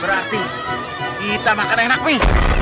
berarti kita makan enak nih